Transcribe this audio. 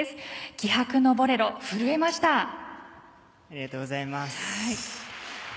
気迫の「ボレロ」震えました。